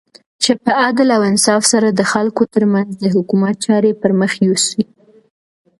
چی په عدل او انصاف سره د خلګو ترمنځ د حکومت چاری پرمخ یوسی